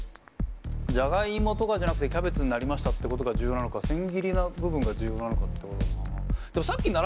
ジャガイモとかじゃなくてキャベツになりましたってことが重要なのか千切りの部分が重要なのかってことだな。